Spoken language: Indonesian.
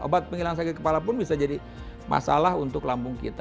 obat penghilang sakit kepala pun bisa jadi masalah untuk lambung kita